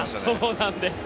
そうなんです。